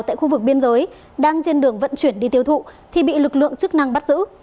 tại khu vực biên giới đang trên đường vận chuyển đi tiêu thụ thì bị lực lượng chức năng bắt giữ